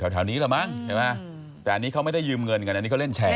แถวนี้แหละมั้งใช่ไหมแต่อันนี้เขาไม่ได้ยืมเงินกันอันนี้เขาเล่นแชร์